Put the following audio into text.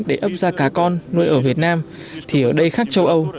nếu có thể đưa ra cá con nuôi ở việt nam thì ở đây khác châu âu